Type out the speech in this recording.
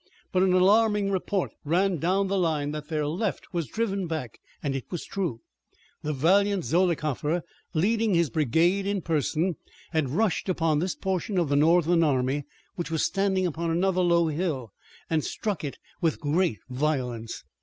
But an alarming report ran down the line that their left was driven back, and it was true. The valiant Zollicoffer leading his brigade in person, had rushed upon this portion of the Northern army which was standing upon another low hill and struck it with great violence.